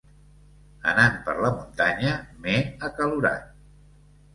Anant per la muntanya m'he acalorat.